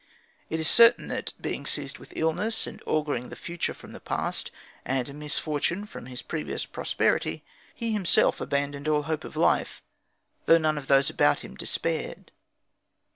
It is certain that, being seized with illness, and auguring the future from the past and misfortune from his previous prosperity, he himself abandoned all hope of life, though none of those about him despaired.